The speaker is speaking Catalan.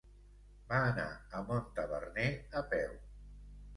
Va anar a Montaverner a peu.